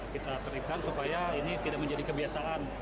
kita teripkan supaya ini tidak menjadi kebiasaan